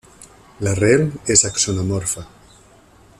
L'arrel és axonomorfa.